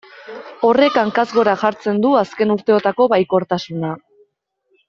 Horrek hankaz gora jartzen du azken urteotako baikortasuna.